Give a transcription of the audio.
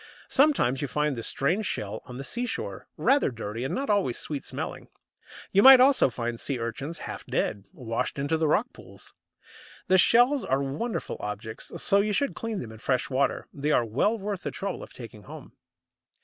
Sometimes you find this strange shell on the seashore, rather dirty, and not always sweet smelling. You might also find Sea urchins half dead, washed into the rock pools. The shells are wonderful objects, so you should clean them in fresh water; they are well worth the trouble of taking home.